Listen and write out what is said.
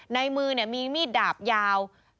ในมือมีมีดดาบยาว